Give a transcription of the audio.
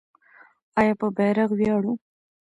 آیا په بیرغ ویاړو؟